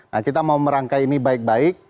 nah kita mau merangkai ini baik baik